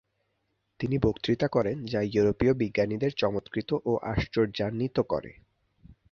তিনি বক্তৃতা করেন যা ইউরোপীয় বিজ্ঞানীদের চমৎকৃত ও আশ্চর্যান্বিত করে।